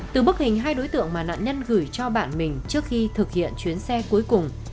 từ bức hình hai đối tượng mà nạn nhân gửi cho bạn mình trước khi thực hiện chuyến xe cuối cùng